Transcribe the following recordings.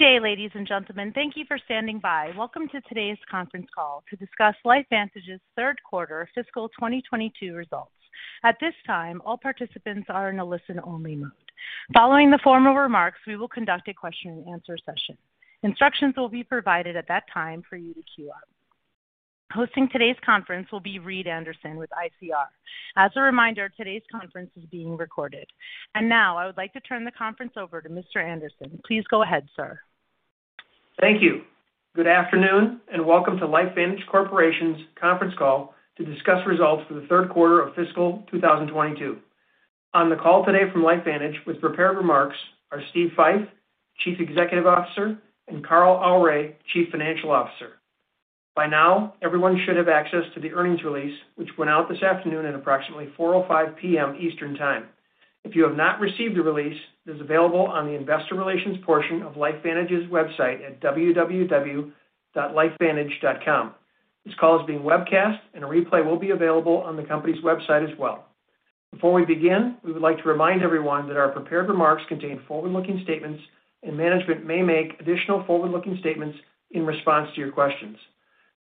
Good day, ladies and gentlemen. Thank you for standing by. Welcome to today's conference call to discuss LifeVantage's third quarter fiscal 2022 results. At this time, all participants are in a listen-only mode. Following the formal remarks, we will conduct a question-and-answer session. Instructions will be provided at that time for you to queue up. Hosting today's conference will be Reed Anderson with ICR. As a reminder, today's conference is being recorded. Now, I would like to turn the conference over to Mr. Anderson. Please go ahead, sir. Thank you. Good afternoon, and welcome to LifeVantage Corporation's conference call to discuss results for the third quarter of fiscal 2022. On the call today from LifeVantage with prepared remarks are Steve Fife, Chief Executive Officer, and Carl Aure, Chief Financial Officer. By now, everyone should have access to the earnings release, which went out this afternoon at approximately 4:05 P.M. Eastern Time. If you have not received the release, it is available on the investor relations portion of LifeVantage's website at www.lifevantage.com. This call is being webcast and a replay will be available on the company's website as well. Before we begin, we would like to remind everyone that our prepared remarks contain forward-looking statements, and management may make additional forward-looking statements in response to your questions.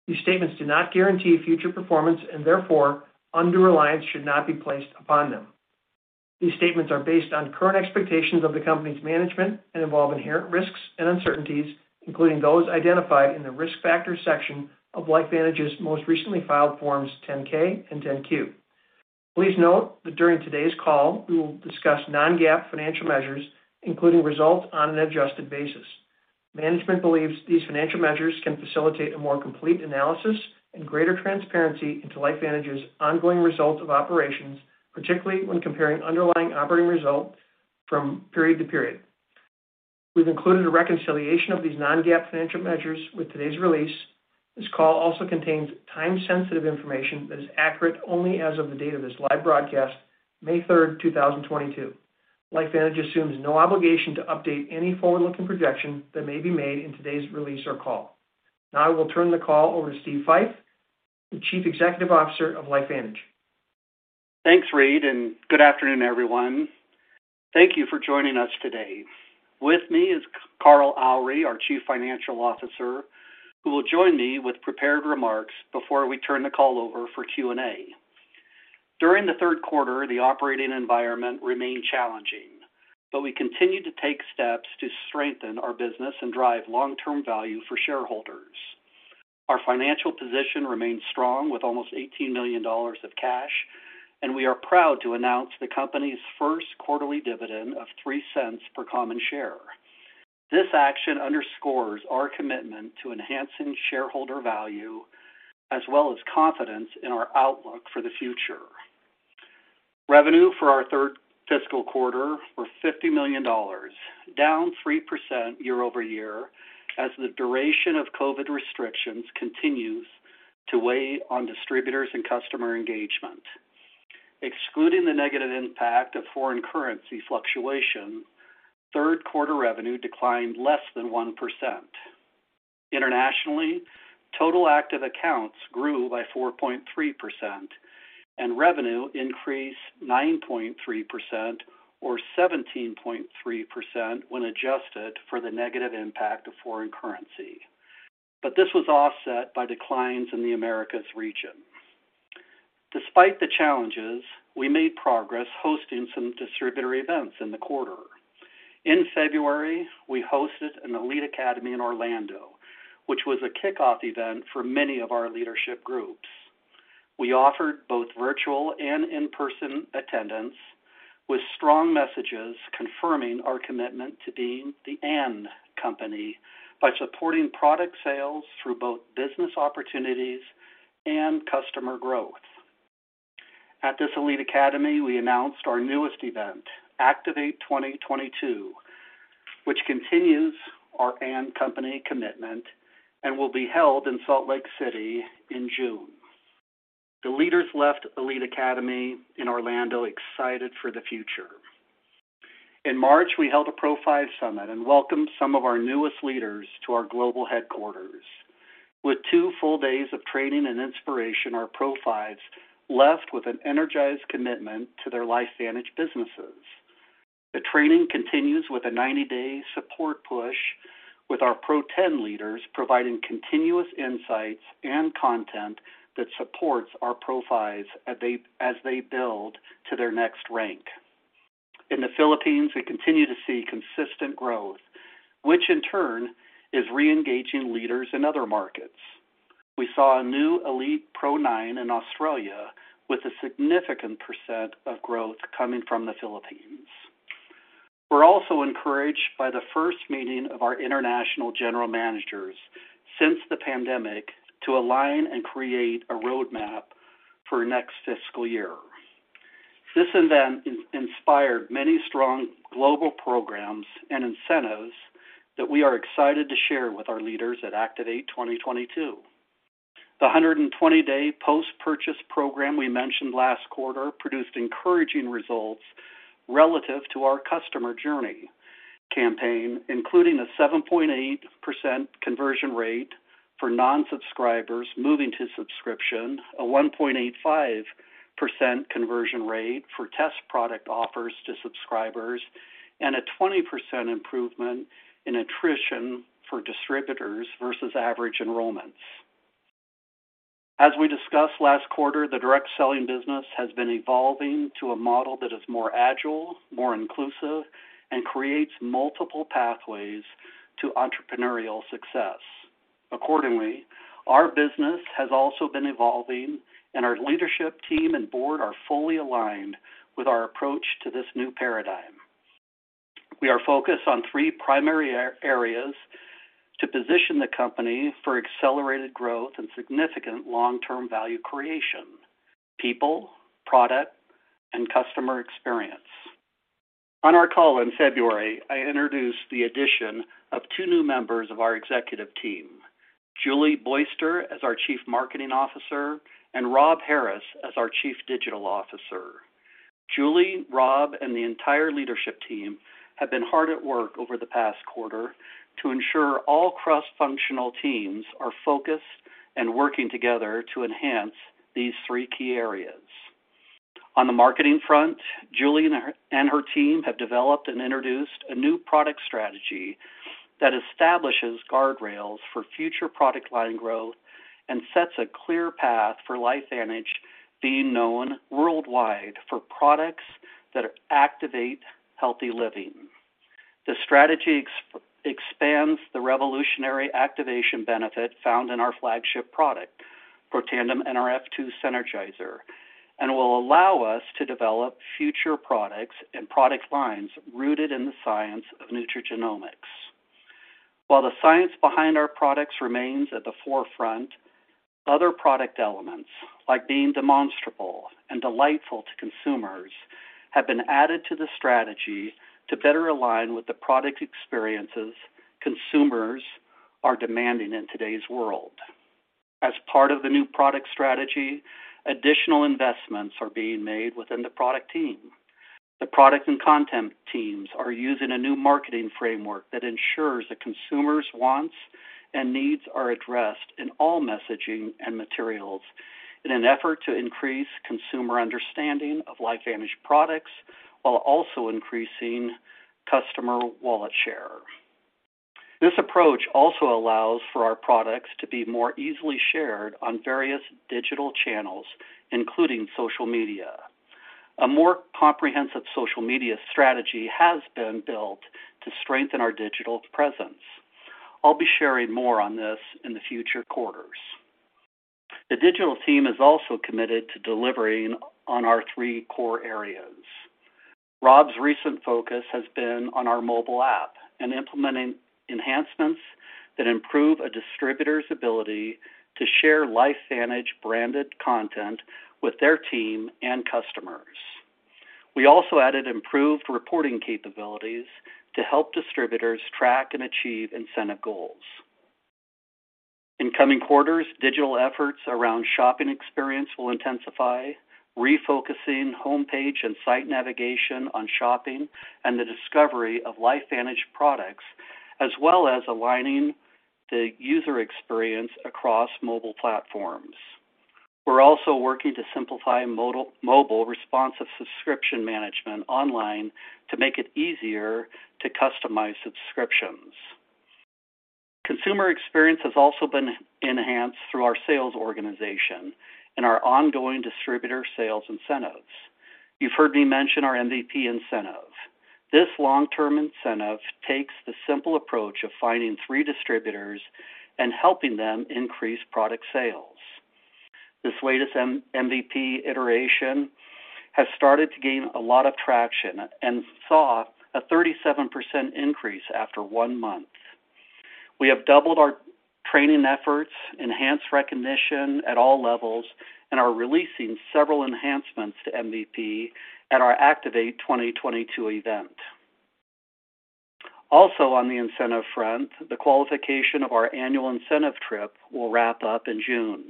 These statements do not guarantee future performance, and therefore undue reliance should not be placed upon them. These statements are based on current expectations of the company's management and involve inherent risks and uncertainties, including those identified in the Risk Factors section of LifeVantage's most recently filed Form 10-K and 10-Q. Please note that during today's call, we will discuss non-GAAP financial measures, including results on an adjusted basis. Management believes these financial measures can facilitate a more complete analysis and greater transparency into LifeVantage's ongoing results of operations, particularly when comparing underlying operating results from period to period. We've included a reconciliation of these non-GAAP financial measures with today's release. This call also contains time-sensitive information that is accurate only as of the date of this live broadcast, May third, two thousand and twenty-two. LifeVantage assumes no obligation to update any forward-looking projection that may be made in today's release or call. Now I will turn the call over to Steve Fife, the Chief Executive Officer of LifeVantage. Thanks, Reed, and good afternoon, everyone. Thank you for joining us today. With me is Carl Aure, our Chief Financial Officer, who will join me with prepared remarks before we turn the call over for Q&A. During the third quarter, the operating environment remained challenging, but we continued to take steps to strengthen our business and drive long-term value for shareholders. Our financial position remains strong with almost $18 million of cash, and we are proud to announce the company's first quarterly dividend of $0.03 per common share. This action underscores our commitment to enhancing shareholder value, as well as confidence in our outlook for the future. Revenue for our third fiscal quarter were $50 million, down 3% year-over-year, as the duration of COVID restrictions continues to weigh on distributors and customer engagement. Excluding the negative impact of foreign currency fluctuation, third quarter revenue declined less than 1%. Internationally, total active accounts grew by 4.3%, and revenue increased 9.3% or 17.3% when adjusted for the negative impact of foreign currency. This was offset by declines in the Americas region. Despite the challenges, we made progress hosting some distributor events in the quarter. In February, we hosted an Elite Academy in Orlando, which was a kickoff event for many of our leadership groups. We offered both virtual and in-person attendance with strong messages confirming our commitment to being the "and" company by supporting product sales through both business opportunities and customer growth. At this Elite Academy, we announced our newest event, Activate 2022, which continues our "and" company commitment and will be held in Salt Lake City in June. The leaders left Elite Academy in Orlando excited for the future. In March, we held a Pro Five Summit and welcomed some of our newest leaders to our global headquarters. With two full days of training and inspiration, our Pro Fives left with an energized commitment to their LifeVantage businesses. The training continues with a 90-day support push, with our Pro Ten leaders providing continuous insights and content that supports our Pro Fives as they build to their next rank. In the Philippines, we continue to see consistent growth, which in turn is reengaging leaders in other markets. We saw a new Elite Pro Nine in Australia with a significant percent of growth coming from the Philippines. We're also encouraged by the first meeting of our international general managers since the pandemic to align and create a roadmap for next fiscal year. This event inspired many strong global programs and incentives that we are excited to share with our leaders at Activate 2022. The 120-day post-purchase program we mentioned last quarter produced encouraging results relative to our customer journey campaign, including a 7.8% conversion rate for non-subscribers moving to subscription, a 1.85% conversion rate for test product offers to subscribers, and a 20% improvement in attrition for distributors versus average enrollments. As we discussed last quarter, the direct selling business has been evolving to a model that is more agile, more inclusive, and creates multiple pathways to entrepreneurial success. Accordingly, our business has also been evolving and our leadership team and board are fully aligned with our approach to this new paradigm. We are focused on three primary areas to position the company for accelerated growth and significant long-term value creation. People, product, and customer experience. On our call in February, I introduced the addition of two new members of our executive team, Julie Boyster as our Chief Marketing Officer, and Rob Harris as our Chief Digital Officer. Julie, Rob, and the entire leadership team have been hard at work over the past quarter to ensure all cross-functional teams are focused and working together to enhance these three key areas. On the marketing front, Julie and her team have developed and introduced a new product strategy that establishes guardrails for future product line growth and sets a clear path for LifeVantage being known worldwide for products that activate healthy living. The strategy expands the revolutionary activation benefit found in our flagship product, Protandim Nrf2 Synergizer, and will allow us to develop future products and product lines rooted in the science of nutrigenomics. While the science behind our products remains at the forefront, other product elements, like being demonstrable and delightful to consumers, have been added to the strategy to better align with the product experiences consumers are demanding in today's world. As part of the new product strategy, additional investments are being made within the product team. The product and content teams are using a new marketing framework that ensures the consumer's wants and needs are addressed in all messaging and materials in an effort to increase consumer understanding of LifeVantage products while also increasing customer wallet share. This approach also allows for our products to be more easily shared on various digital channels, including social media. A more comprehensive social media strategy has been built to strengthen our digital presence. I'll be sharing more on this in the future quarters. The digital team is also committed to delivering on our three core areas. Rob's recent focus has been on our mobile app and implementing enhancements that improve a distributor's ability to share LifeVantage branded content with their team and customers. We also added improved reporting capabilities to help distributors track and achieve incentive goals. In coming quarters, digital efforts around shopping experience will intensify, refocusing homepage and site navigation on shopping and the discovery of LifeVantage products, as well as aligning the user experience across mobile platforms. We're also working to simplify mobile responsive subscription management online to make it easier to customize subscriptions. Consumer experience has also been enhanced through our sales organization and our ongoing distributor sales incentives. You've heard me mention our MVP incentive. This long-term incentive takes the simple approach of finding three distributors and helping them increase product sales. This latest MVP iteration has started to gain a lot of traction and saw a 37% increase after one month. We have doubled our training efforts, enhanced recognition at all levels, and are releasing several enhancements to MVP at our Activate 2022 event. Also on the incentive front, the qualification of our annual incentive trip will wrap up in June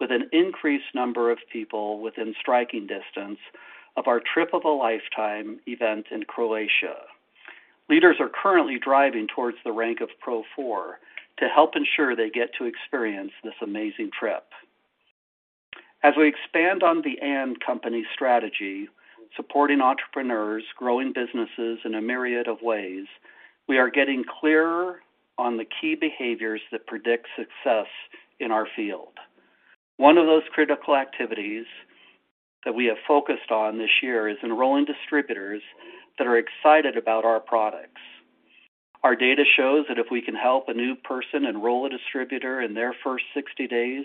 with an increased number of people within striking distance of our trip of a lifetime event in Croatia. Leaders are currently driving towards the rank of Pro Four to help ensure they get to experience this amazing trip. As we expand on the end company strategy, supporting entrepreneurs, growing businesses in a myriad of ways, we are getting clearer on the key behaviors that predict success in our field. One of those critical activities that we have focused on this year is enrolling distributors that are excited about our products. Our data shows that if we can help a new person enroll a distributor in their first 60 days,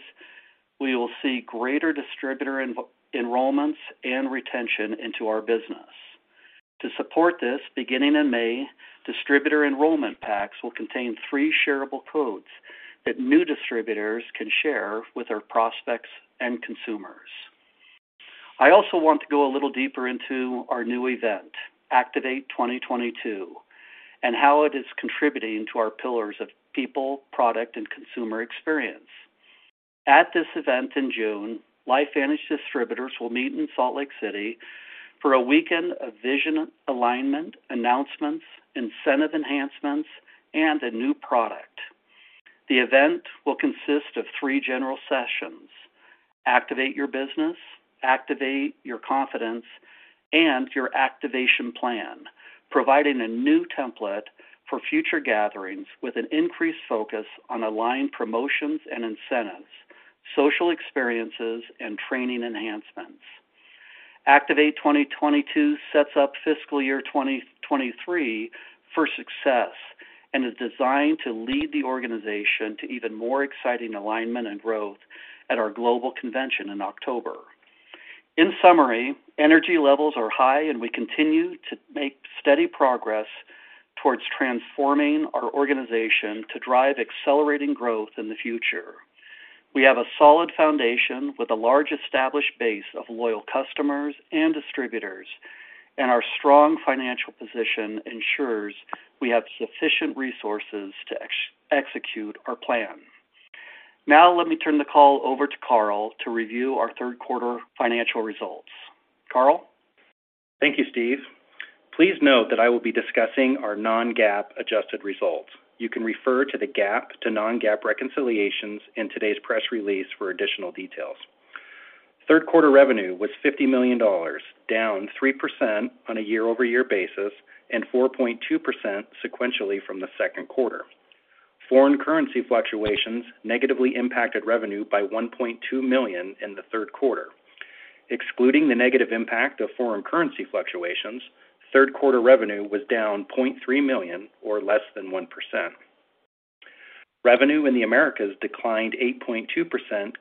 we will see greater distributor enrollments and retention into our business. To support this, beginning in May, distributor enrollment packs will contain three shareable codes that new distributors can share with their prospects and consumers. I also want to go a little deeper into our new event, Activate 2022, and how it is contributing to our pillars of people, product, and consumer experience. At this event in June, LifeVantage distributors will meet in Salt Lake City for a weekend of vision alignment, announcements, incentive enhancements, and a new product. The event will consist of three general sessions Activate Your Business, Activate Your Confidence, and Your Activation Plan, providing a new template for future gatherings with an increased focus on aligned promotions and incentives, social experiences, and training enhancements. Activate 2022 sets up fiscal year 2023 for success and is designed to lead the organization to even more exciting alignment and growth at our global convention in October. In summary, energy levels are high, and we continue to make steady progress towards transforming our organization to drive accelerating growth in the future. We have a solid foundation with a large established base of loyal customers and distributors, and our strong financial position ensures we have sufficient resources to execute our plan. Now let me turn the call over to Carl to review our third quarter financial results. Carl. Thank you, Steve. Please note that I will be discussing our non-GAAP adjusted results. You can refer to the GAAP to non-GAAP reconciliations in today's press release for additional details. Third quarter revenue was $50 million, down 3% on a year-over-year basis and 4.2% sequentially from the second quarter. Foreign currency fluctuations negatively impacted revenue by $1.2 million in the third quarter. Excluding the negative impact of foreign currency fluctuations, third quarter revenue was down $0.3 million or less than 1%. Revenue in the Americas declined 8.2%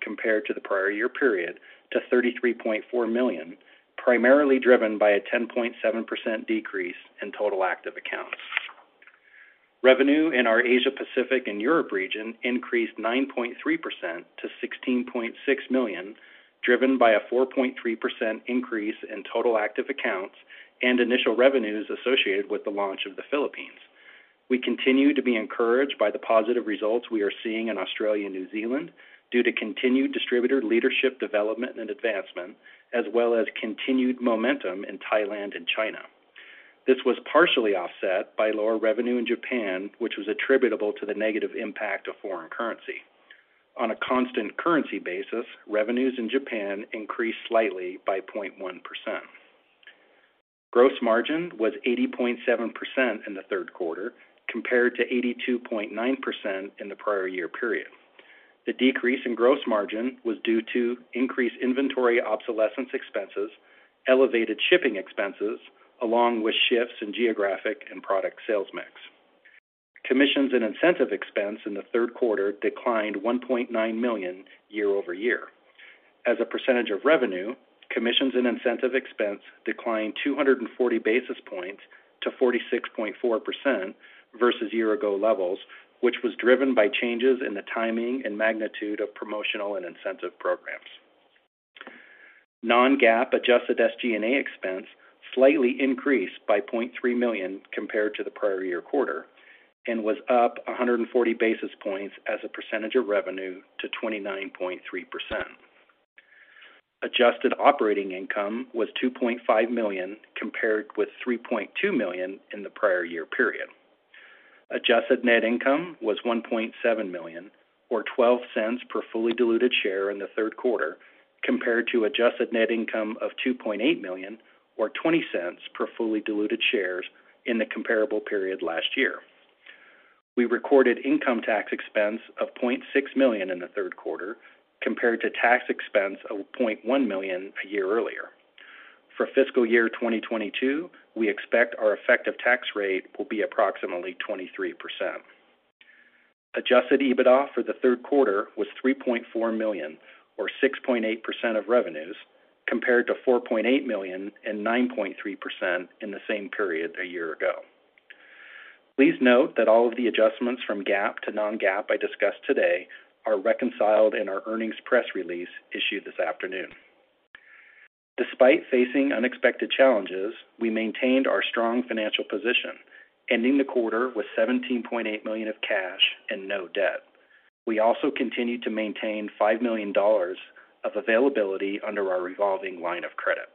compared to the prior year period to $33.4 million, primarily driven by a 10.7% decrease in total active accounts. Revenue in our Asia Pacific and Europe region increased 9.3% to $16.6 million, driven by a 4.3% increase in total active accounts and initial revenues associated with the launch of the Philippines. We continue to be encouraged by the positive results we are seeing in Australia and New Zealand due to continued distributor leadership development and advancement as well as continued momentum in Thailand and China. This was partially offset by lower revenue in Japan, which was attributable to the negative impact of foreign currency. On a constant currency basis, revenues in Japan increased slightly by 0.1%. Gross margin was 80.7% in the third quarter compared to 82.9% in the prior year period. The decrease in gross margin was due to increased inventory obsolescence expenses, elevated shipping expenses along with shifts in geographic and product sales mix. Commissions and incentive expense in the third quarter declined $1.9 million year-over-year. As a percentage of revenue, commissions and incentive expense declined 240 basis points to 46.4% versus year-ago levels, which was driven by changes in the timing and magnitude of promotional and incentive programs. Non-GAAP adjusted SG&A expense slightly increased by $0.3 million compared to the prior-year quarter and was up 140 basis points as a percentage of revenue to 29.3%. Adjusted operating income was $2.5 million, compared with $3.2 million in the prior-year period. Adjusted net income was $1.7 million or $0.12 per fully diluted share in the third quarter, compared to adjusted net income of $2.8 million or $0.20 per fully diluted share in the comparable period last year. We recorded income tax expense of $0.6 million in the third quarter compared to tax expense of $0.1 million a year earlier. For fiscal year 2022, we expect our effective tax rate will be approximately 23%. Adjusted EBITDA for the third quarter was $3.4 million or 6.8% of revenues, compared to $4.8 million and 9.3% in the same period a year ago. Please note that all of the adjustments from GAAP to non-GAAP I discussed today are reconciled in our earnings press release issued this afternoon. Despite facing unexpected challenges, we maintained our strong financial position, ending the quarter with $17.8 million in cash and no debt. We also continued to maintain $5 million of availability under our revolving line of credit.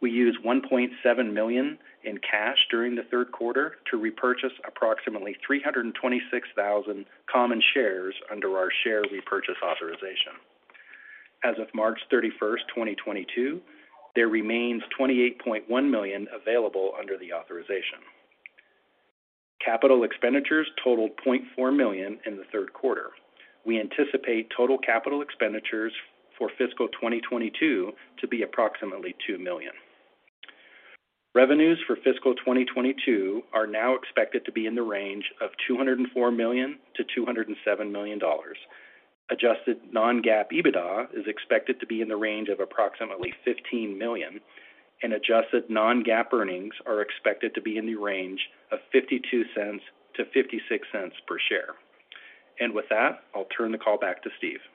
We used $1.7 million in cash during the third quarter to repurchase approximately 326,000 common shares under our share repurchase authorization. As of March 31, 2022, there remains $28.1 million available under the authorization. Capital expenditures totaled $0.4 million in the third quarter. We anticipate total capital expenditures for fiscal 2022 to be approximately $2 million. Revenues for fiscal 2022 are now expected to be in the range of $204 million-$207 million. Adjusted non-GAAP EBITDA is expected to be in the range of approximately $15 million, and adjusted non-GAAP earnings are expected to be in the range of $0.52-$0.56 per share. With that, I'll turn the call back to Steve Fife.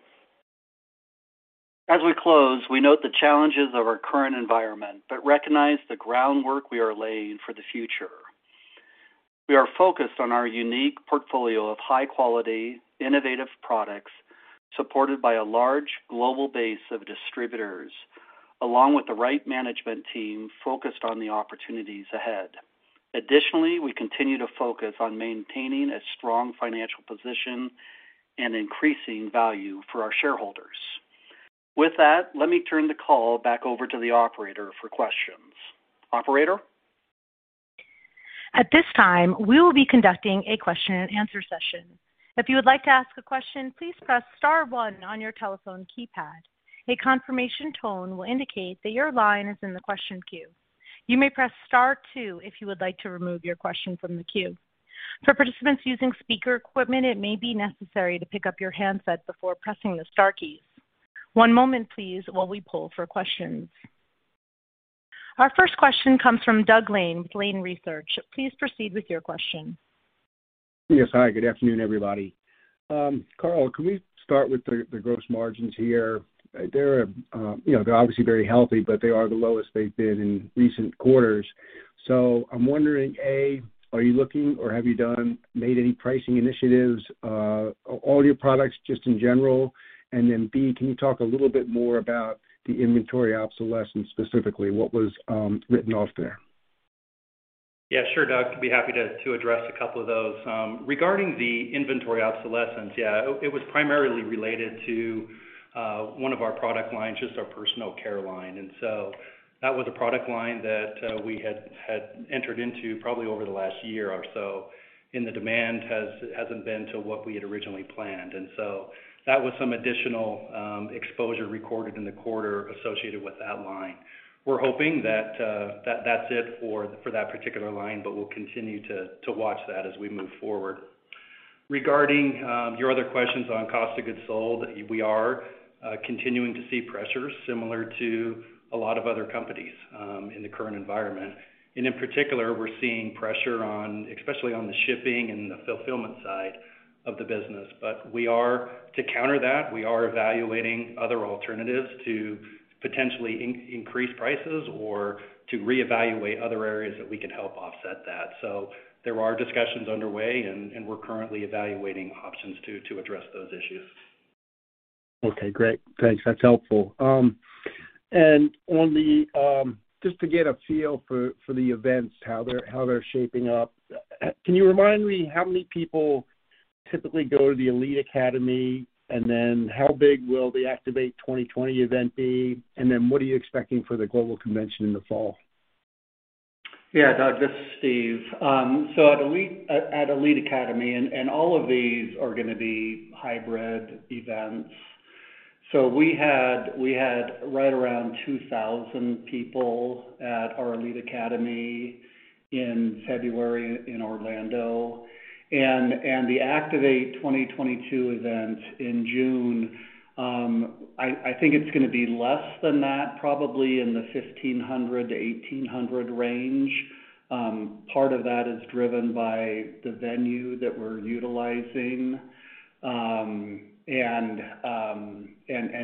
As we close, we note the challenges of our current environment, but recognize the groundwork we are laying for the future. We are focused on our unique portfolio of high quality, innovative products, supported by a large global base of distributors, along with the right management team focused on the opportunities ahead. Additionally, we continue to focus on maintaining a strong financial position and increasing value for our shareholders. With that, let me turn the call back over to the operator for questions. Operator? At this time, we will be conducting a question and answer session. If you would like to ask a question, please press star one on your telephone keypad. A confirmation tone will indicate that your line is in the question queue. You may press star two if you would like to remove your question from the queue. For participants using speaker equipment, it may be necessary to pick up your handset before pressing the star keys. One moment please while we poll for questions. Our first question comes from Douglas Lane with Lane Research. Please proceed with your question. Yes. Hi, good afternoon, everybody. Carl, can we start with the gross margins here? They're obviously very healthy, but they are the lowest they've been in recent quarters. I'm wondering, A, are you looking or have you done any pricing initiatives, all your products just in general? Then, B, can you talk a little bit more about the inventory obsolescence, specifically what was written off there? Yeah, sure, Doug, I'd be happy to address a couple of those. Regarding the inventory obsolescence, yeah, it was primarily related to one of our product lines, just our personal care line. That was a product line that we had entered into probably over the last year or so, and the demand hasn't been to what we had originally planned. That was some additional exposure recorded in the quarter associated with that line. We're hoping that that's it for that particular line, but we'll continue to watch that as we move forward. Regarding your other questions on cost of goods sold, we are continuing to see pressures similar to a lot of other companies in the current environment. In particular, we're seeing pressure on, especially on the shipping and the fulfillment side of the business. To counter that, we are evaluating other alternatives to potentially increase prices or to reevaluate other areas that we can help offset that. There are discussions underway, and we're currently evaluating options to address those issues. Okay, great. Thanks. That's helpful. Just to get a feel for the events, how they're shaping up, can you remind me how many people typically go to the Elite Academy? How big will the Activate 2022 event be? What are you expecting for the global convention in the fall? Yeah, Doug, this is Steve. At Elite Academy, all of these are gonna be hybrid events. We had right around 2,000 people at our Elite Academy in February in Orlando. The Activate 2022 event in June, I think it's gonna be less than that, probably in the 1,500-1,800 range. Part of that is driven by the venue that we're utilizing,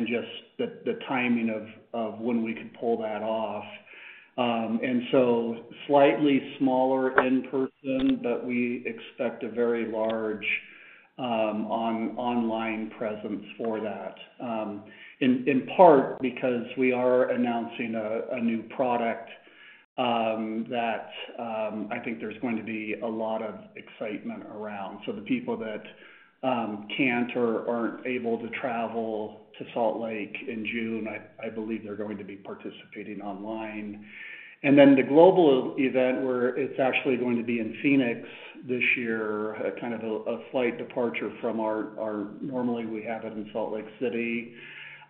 just the timing of when we could pull that off. Slightly smaller in person, but we expect a very large online presence for that, in part because we are announcing a new product that I think there's going to be a lot of excitement around. The people that can't or aren't able to travel to Salt Lake in June, I believe they're going to be participating online. Then the global event where it's actually going to be in Phoenix this year, a kind of slight departure from our. Normally, we have it in Salt Lake City.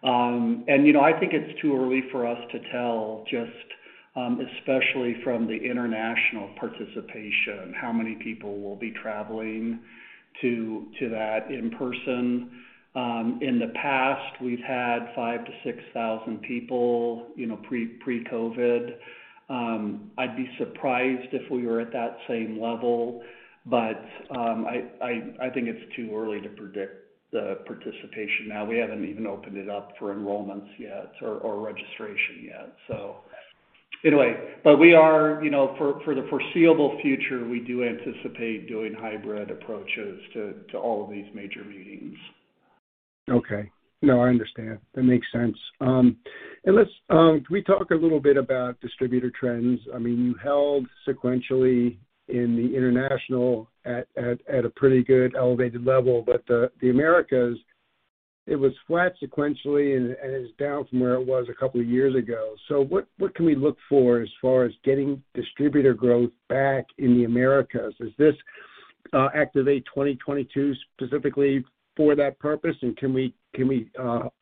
You know, I think it's too early for us to tell just, especially from the international participation, how many people will be traveling to that in person. In the past, we've had 5,000-6,000 people, you know, pre-COVID. I'd be surprised if we were at that same level, but I think it's too early to predict the participation now. We haven't even opened it up for enrollments yet or registration yet. We are, you know, for the foreseeable future, we do anticipate doing hybrid approaches to all of these major meetings. Okay. No, I understand. That makes sense. Can we talk a little bit about distributor trends? I mean, you held sequentially in the international at a pretty good elevated level, but the Americas, it was flat sequentially and is down from where it was a couple of years ago. What can we look for as far as getting distributor growth back in the Americas? Is this Activate 2022 specifically for that purpose? Can we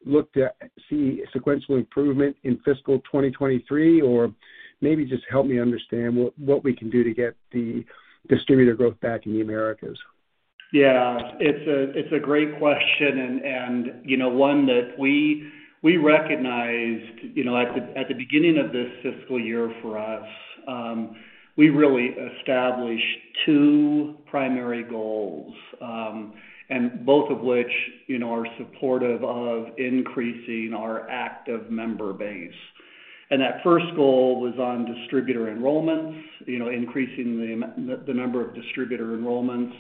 look to see sequential improvement in fiscal 2023? Or maybe just help me understand what we can do to get the distributor growth back in the Americas. Yeah. It's a great question and you know, one that we recognize. You know, at the beginning of this fiscal year for us, we really established two primary goals, and both of which you know, are supportive of increasing our active member base. That first goal was on distributor enrollments, you know, increasing the number of distributor enrollments.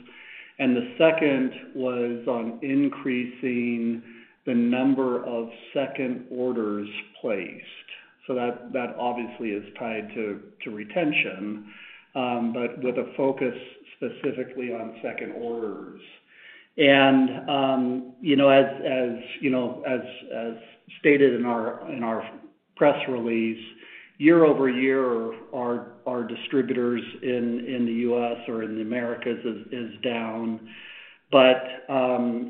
The second was on increasing the number of second orders placed. That obviously is tied to retention, but with a focus specifically on second orders. You know, as stated in our press release, year-over-year our distributors in the U.S. or in the Americas is down.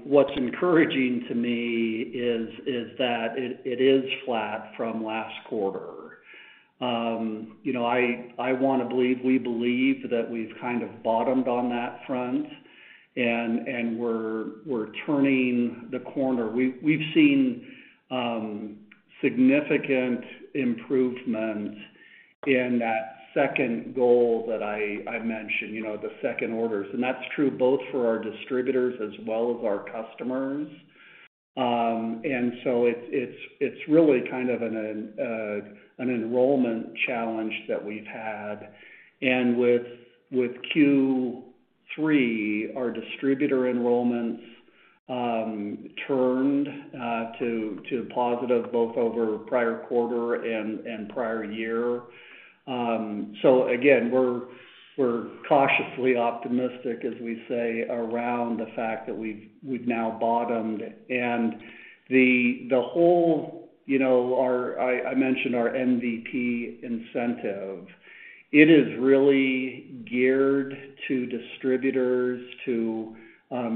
What's encouraging to me is that it is flat from last quarter. You know, I want to believe, we believe that we've kind of bottomed on that front and we're turning the corner. We've seen significant improvement in that second goal that I mentioned, you know, the second orders, and that's true both for our distributors as well as our customers. It's really kind of an enrollment challenge that we've had. With Q3, our distributor enrollments turned to positive both over prior quarter and prior year. We're cautiously optimistic, as we say, around the fact that we've now bottomed. The whole, you know, our MVP incentive. It is really geared to distributors to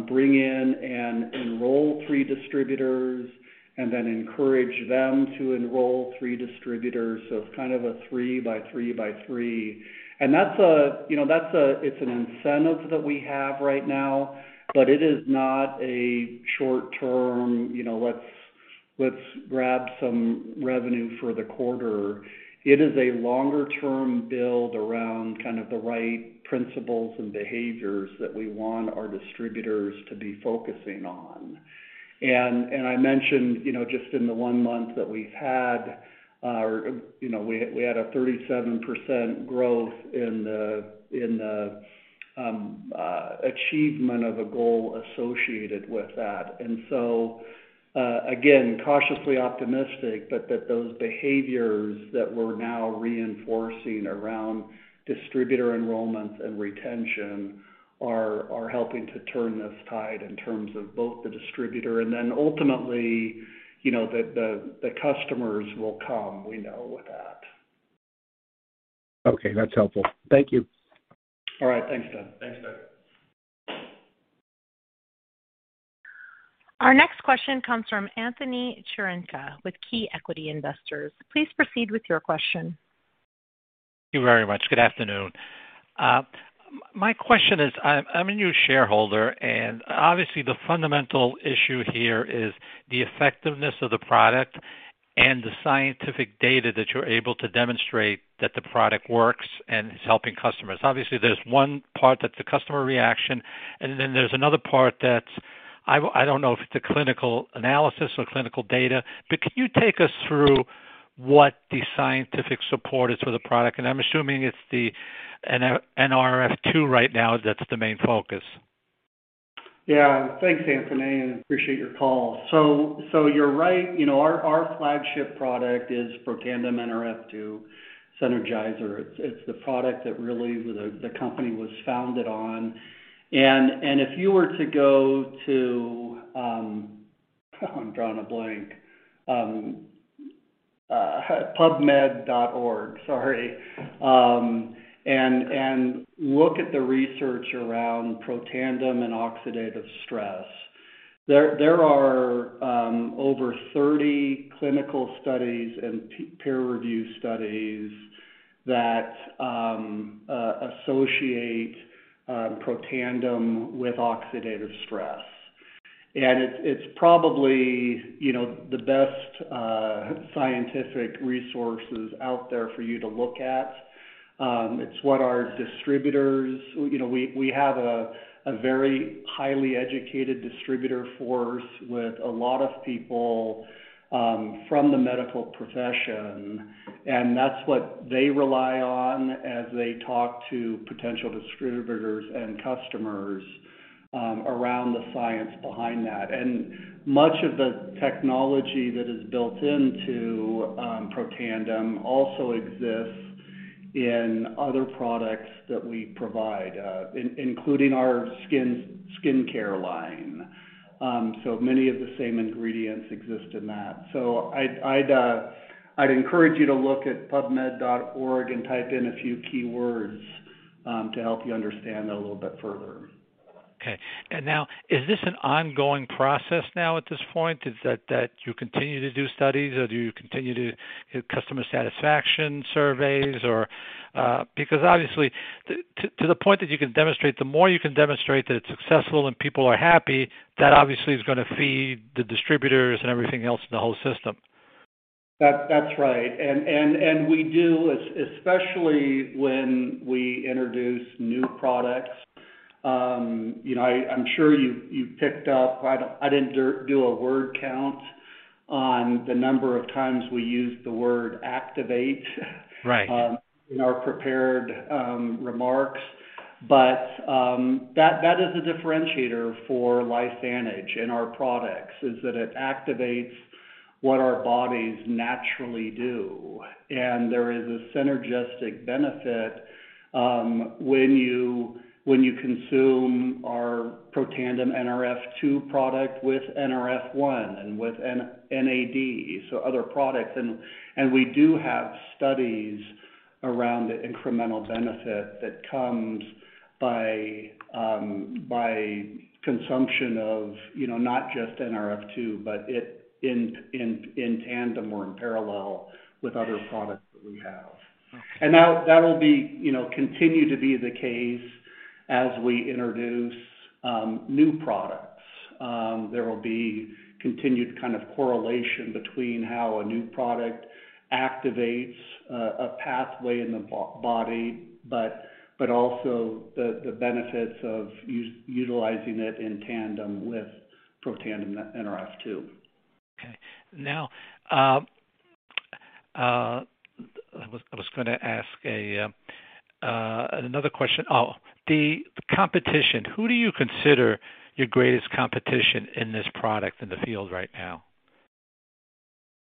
bring in and enroll three distributors and then encourage them to enroll three distributors. It's kind of a 3 by 3 by 3. That's a, you know, it's an incentive that we have right now, but it is not a short-term, you know, let's grab some revenue for the quarter. It is a longer-term build around kind of the right principles and behaviors that we want our distributors to be focusing on. I mentioned, you know, just in the one month that we've had, you know, we had a 37% growth in the achievement of a goal associated with that. Again, cautiously optimistic, but those behaviors that we're now reinforcing around distributor enrollment and retention are helping to turn this tide in terms of both the distributor and then ultimately, you know, the customers will come, we know that. Okay, that's helpful. Thank you. All right, thanks, Doug. Our next question comes from Anthony Chiarenza with Key Equity Investors. Please proceed with your question. Thank you very much. Good afternoon. My question is, I'm a new shareholder, and obviously the fundamental issue here is the effectiveness of the product and the scientific data that you're able to demonstrate that the product works and is helping customers. Obviously, there's one part that's the customer reaction, and then there's another part that's, I don't know if it's a clinical analysis or clinical data, but can you take us through what the scientific support is for the product? I'm assuming it's the Nrf2 right now that's the main focus. Yeah. Thanks, Anthony, and appreciate your call. You're right. You know, our flagship product is Protandim Nrf2 Synergizer. It's the product that really the company was founded on. If you were to go to PubMed.org and look at the research around Protandim and oxidative stress. There are over 30 clinical studies and peer review studies that associate Protandim with oxidative stress. It's probably, you know, the best scientific resources out there for you to look at. It's what our distributors. You know, we have a very highly educated distributor force with a lot of people from the medical profession, and that's what they rely on as they talk to potential distributors and customers around the science behind that. Much of the technology that is built into Protandim also exists in other products that we provide, including our skin care line. Many of the same ingredients exist in that. I'd encourage you to look at PubMed.org and type in a few keywords to help you understand that a little bit further. Okay. Now is this an ongoing process now at this point? Is that you continue to do studies, or do you continue to do customer satisfaction surveys or? Because obviously, to the point that you can demonstrate, the more you can demonstrate that it's successful and people are happy, that obviously is gonna feed the distributors and everything else in the whole system. That's right. We do especially when we introduce new products. You know, I'm sure you picked up. I didn't do a word count on the number of times we used the word activate Right. In our prepared remarks. That is a differentiator for LifeVantage and our products, is that it activates what our bodies naturally do. There is a synergistic benefit, when you consume our Protandim Nrf2 product with NRF1 and with NAD, so other products. We do have studies around the incremental benefit that comes by consumption of, you know, not just Nrf2, but it in tandem or in parallel with other products that we have. Okay. That'll continue to be the case as we introduce new products, you know. There will be continued kind of correlation between how a new product activates a pathway in the body, but also the benefits of us utilizing it in tandem with Protandim Nrf2. Okay. Now, I was gonna ask another question. Oh, the competition. Who do you consider your greatest competition in this product in the field right now?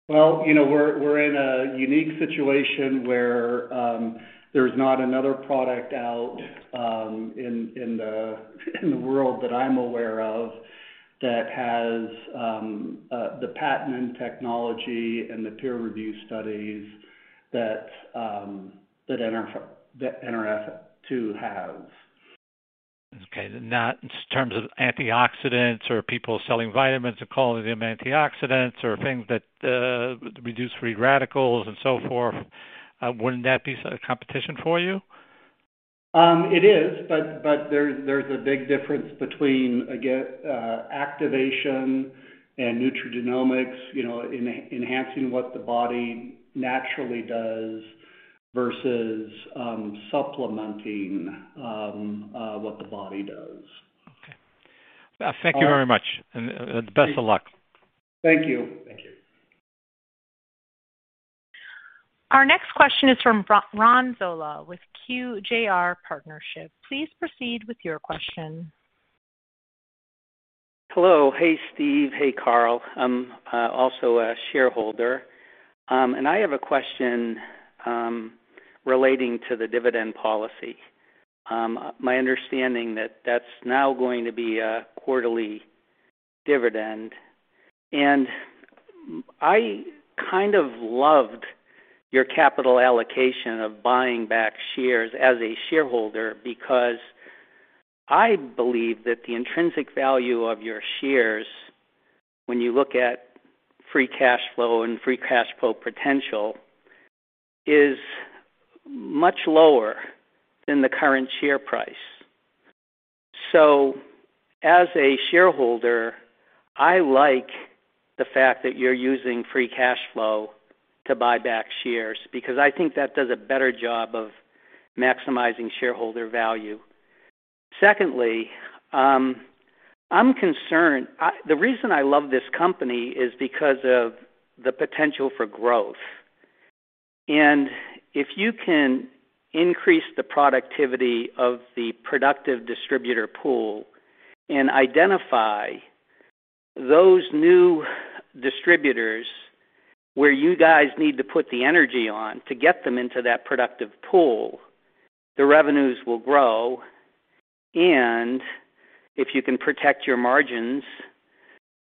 Well, you know, we're in a unique situation where there's not another product out in the world that I'm aware of that has the patented technology and the peer review studies that Nrf2 has. Okay. Not in terms of antioxidants or people selling vitamins and calling them antioxidants or things that reduce free radicals and so forth. Wouldn't that be such a competition for you? It is, but there's a big difference between activation and nutrigenomics, you know, enhancing what the body naturally does versus supplementing what the body does. Okay. All right. Thank you very much and best of luck. Thank you. Thank you. Our next question is from Ron Zola with QJR Partnership. Please proceed with your question. Hello. Hey, Steve. Hey, Carl. I'm also a shareholder. I have a question relating to the dividend policy. My understanding that that's now going to be a quarterly dividend. I kind of loved your capital allocation of buying back shares as a shareholder because I believe that the intrinsic value of your shares when you look at free cash flow and free cash flow potential is much lower than the current share price. As a shareholder, I like the fact that you're using free cash flow to buy back shares because I think that does a better job of maximizing shareholder value. Secondly, I'm concerned. The reason I love this company is because of the potential for growth. If you can increase the productivity of the productive distributor pool and identify those new distributors where you guys need to put the energy on to get them into that productive pool, the revenues will grow. If you can protect your margins,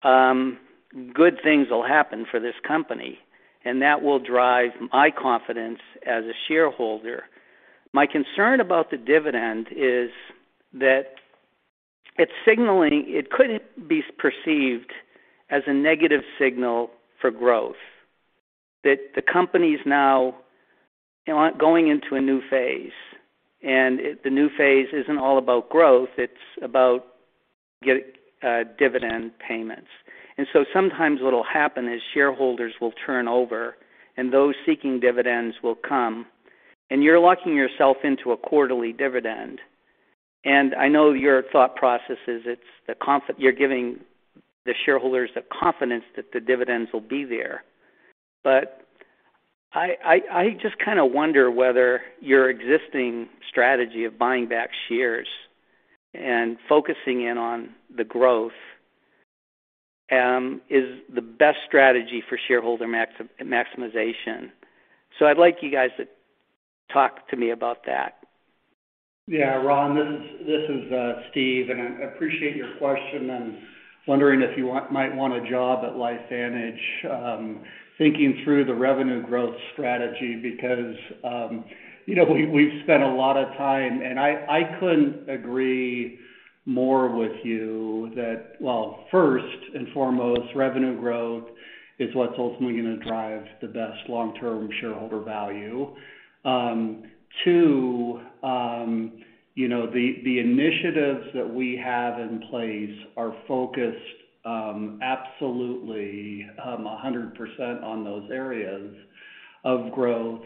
good things will happen for this company, and that will drive my confidence as a shareholder. My concern about the dividend is that it's signaling it could be perceived as a negative signal for growth, that the company's now, you know, going into a new phase, and the new phase isn't all about growth. It's about dividend payments. Sometimes what'll happen is shareholders will turn over, and those seeking dividends will come. You're locking yourself into a quarterly dividend. I know your thought process is you're giving the shareholders the confidence that the dividends will be there. I just kinda wonder whether your existing strategy of buying back shares and focusing in on the growth is the best strategy for shareholder maximization. I'd like you guys to talk to me about that. Yeah. Ron, this is Steve, and I appreciate your question and wondering if you might want a job at LifeVantage, thinking through the revenue growth strategy because, you know, we've spent a lot of time. I couldn't agree more with you that. Well, first and foremost, revenue growth is what's ultimately gonna drive the best long-term shareholder value. Too, you know, the initiatives that we have in place are focused, absolutely, 100% on those areas of growth.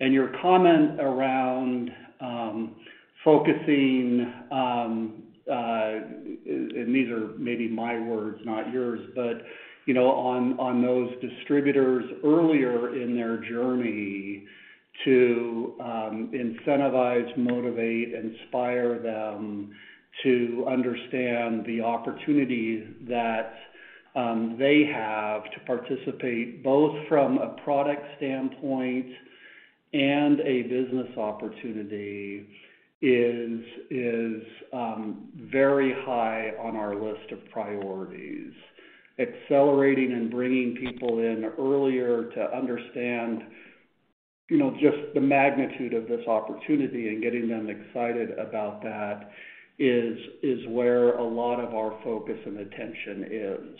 Your comment around focusing, and these are maybe my words, not yours, but you know, on those distributors earlier in their journey to incentivize, motivate, inspire them to understand the opportunities that they have to participate, both from a product standpoint and a business opportunity, is very high on our list of priorities. Accelerating and bringing people in earlier to understand, you know, just the magnitude of this opportunity and getting them excited about that is where a lot of our focus and attention is.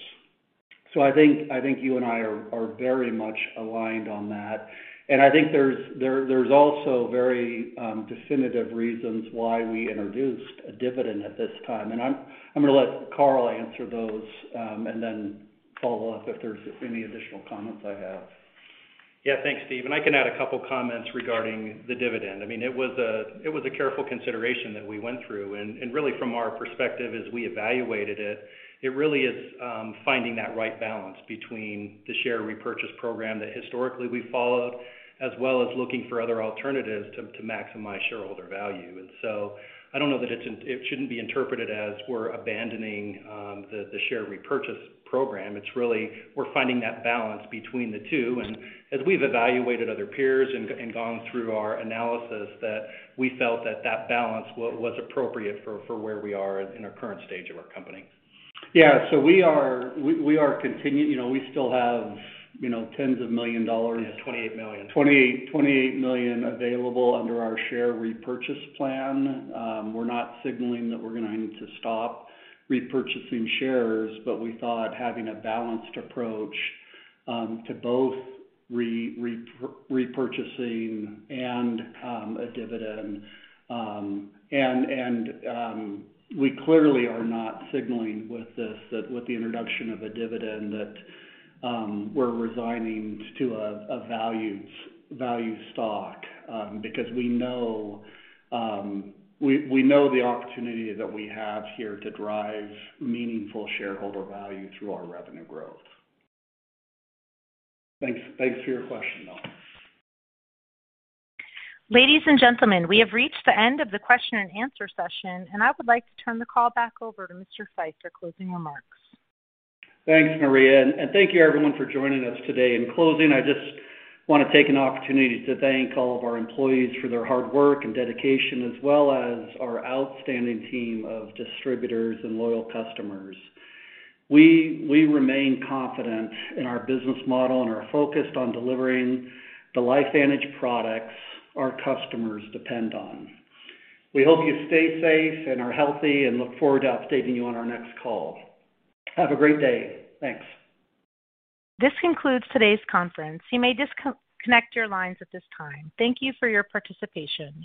I think you and I are very much aligned on that. I think there's also very definitive reasons why we introduced a dividend at this time. I'm gonna let Carl answer those, and then follow up if there's any additional comments I have. Yeah. Thanks, Steve. I can add a couple comments regarding the dividend. I mean, it was a careful consideration that we went through. Really from our perspective as we evaluated it really is finding that right balance between the share repurchase program that historically we followed, as well as looking for other alternatives to maximize shareholder value. I don't know that it shouldn't be interpreted as we're abandoning the share repurchase program. It's really we're finding that balance between the two. As we've evaluated other peers and gone through our analysis that we felt that balance was appropriate for where we are in our current stage of our company. Yeah. We are continuing. You know, we still have, you know, tens of millions of dollars. Yeah, $28 million. $28 million available under our share repurchase plan. We're not signaling that we're gonna need to stop repurchasing shares, but we thought having a balanced approach to both repurchasing and a dividend. We clearly are not signaling with this, that with the introduction of a dividend that we're resigning to a value stock, because we know we know the opportunity that we have here to drive meaningful shareholder value through our revenue growth. Thanks for your question, though. Ladies and gentlemen, we have reached the end of the question and answer session, and I would like to turn the call back over to Mr. Fife for closing remarks. Thanks, Maria, and thank you everyone for joining us today. In closing, I just wanna take an opportunity to thank all of our employees for their hard work and dedication, as well as our outstanding team of distributors and loyal customers. We remain confident in our business model and are focused on delivering the LifeVantage products our customers depend on. We hope you stay safe and are healthy and look forward to updating you on our next call. Have a great day. Thanks. This concludes today's conference. You may disconnect your lines at this time. Thank you for your participation.